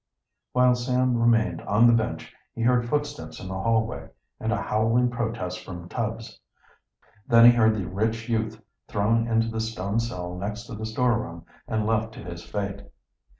While Sam remained on the bench he heard footsteps in the hallway and a howling protest from Tubbs. Then he heard the rich youth thrown into the stone cell next to the storeroom and left to his fate.